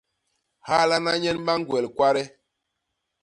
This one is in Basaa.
Halana nyen ba ñgwel kwade.